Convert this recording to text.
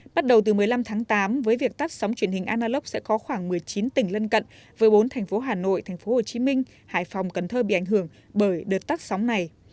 bắt đầu từ một mươi năm tháng tám với việc tắt sóng truyền hình analov sẽ có khoảng một mươi chín tỉnh lân cận với bốn thành phố hà nội tp hcm hải phòng cần thơ bị ảnh hưởng bởi đợt tắt sóng này